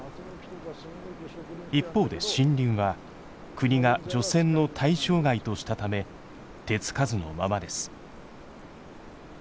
一方で森林は国が除染の対象外としたため手つかずのままです。